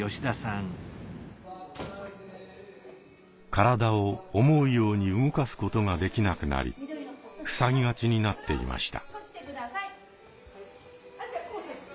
体を思うように動かすことができなくなりふさぎがちになっていました。